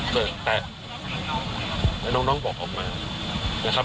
แต่น้องบอกออกมา